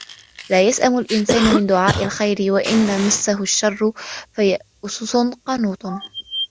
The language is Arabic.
لا يَسأَمُ الإِنسانُ مِن دُعاءِ الخَيرِ وَإِن مَسَّهُ الشَّرُّ فَيَئوسٌ قَنوطٌ